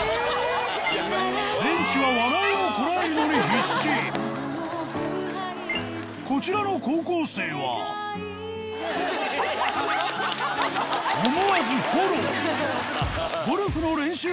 ベンチは笑いをこらえるのに必死こちらの高校生はアオ！